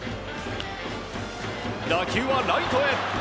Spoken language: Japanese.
打球はライトへ。